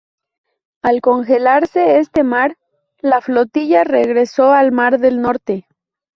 Al congelarse este mar, la flotilla regresó al Mar del Norte.